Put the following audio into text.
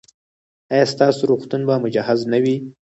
ایا ستاسو روغتون به مجهز نه وي؟